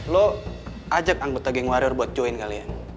lo ajak anggota geng warrior buat join kalian